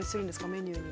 メニューに。